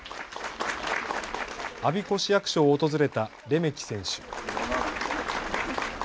我孫子市役所を訪れたレメキ選手。